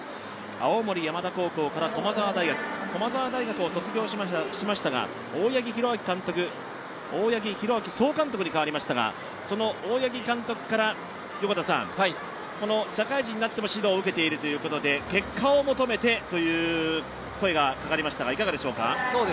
青森山田高校から駒澤大学、駒澤大学を卒業しましたが大八木監督、大八木弘明総監督にかわりましたが、その大八木監督から社会人になっても指導を受けているということで、結果を求めてという声がかかりましたが、いかがですか。